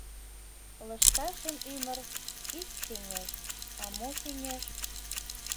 Лышташын ӱмыр — ик кеҥеж, а мо кеҥеж?